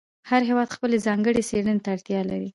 هر هېواد خپلې ځانګړې څېړنې ته اړتیا لري.